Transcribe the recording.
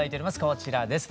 こちらです。